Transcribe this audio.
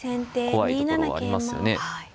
怖いところはありますよね。